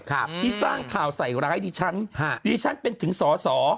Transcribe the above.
ครับที่สร้างข่าวใส่ร้ายดิฉันฮะดิฉันเป็นถึงสอสอ